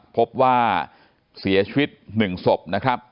พบว่าเสียชีวิต๑ศพนะครับ